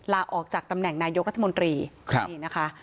ลาออกจากตำแหน่งนายกรัฐมนตรีนี่นะคะ